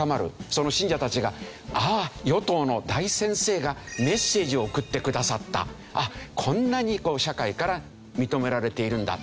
その信者たちがああ与党の大先生がメッセージを送ってくださったこんなに社会から認められているんだ